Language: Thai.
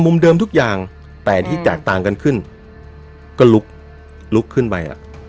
เดิมทุกอย่างแต่ที่แตกต่างกันขึ้นก็ลุกลุกขึ้นไปอ่ะ